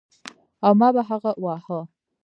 او ما به هغه واهه.